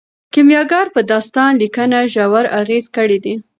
کیمیاګر په داستان لیکنه ژور اغیز کړی دی.